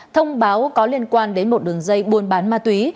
thông báo có liên quan đến một đường dây buôn bán ma túy